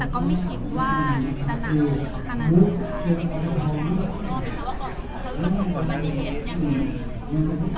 แต่ก็ไม่คิดว่าจะหนาวขนาดนี้ค่ะ